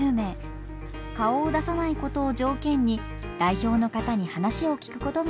顔を出さないことを条件に代表の方に話を聞くことができました。